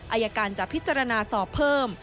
อายการจะพิจารณาสอบเพิ่ม